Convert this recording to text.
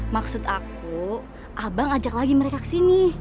maksud aku abang ajak lagi mereka ke sini